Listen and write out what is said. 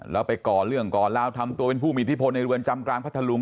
แล้วไปก่อเรื่องก่อลาวทำตัวเป็นผู้มีอิทธิพลในเรือนจำกลางพัทธลุง